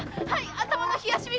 頭の冷やし水！